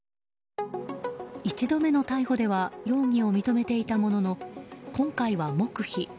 １度目の逮捕では容疑を認めていたものの今回は黙秘。